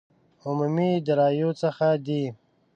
عمومي داراییو څخه دي.